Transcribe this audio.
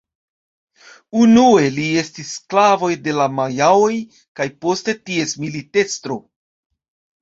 Unue li estis sklavoj de la majaoj kaj poste ties militestro.